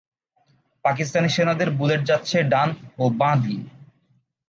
পাকিস্তানি সেনাদের বুলেট যাচ্ছে ডান ও বাঁ দিয়ে।